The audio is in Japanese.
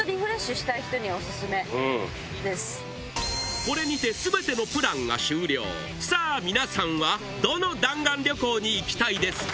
これにて全てのプランが終了さぁ皆さんはどの弾丸旅行に行きたいですか？